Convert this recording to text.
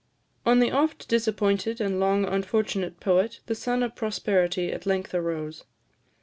On the oft disappointed and long unfortunate poet the sun of prosperity at length arose.